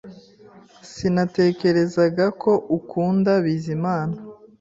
Sinatekerezaga ko ukunda Bizimana